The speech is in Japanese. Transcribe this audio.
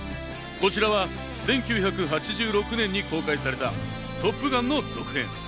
こちらは１９８６年に公開された『トップガン』の続編。